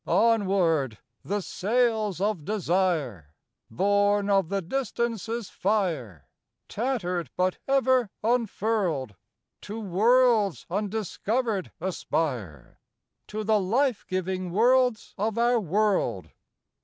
— Onward! the sails of Desire, Born of the Distances' fire, Tattered but ever unfurled, To worlds undiscovered aspire— To the life giving worlds of our world.